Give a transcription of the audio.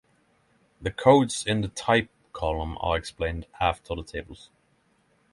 The codes in the "type" column are explained after the tables.